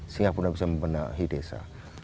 sehingga kita bisa membenahi desa